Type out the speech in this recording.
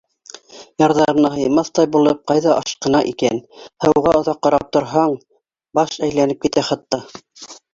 Ярҙарына һыймаҫтай булып ҡайҙа ашҡына икән? Һыуға оҙаҡ ҡарап торһаң, баш әйләнеп китә хатта.